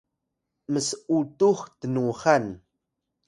ms’utux tnuxan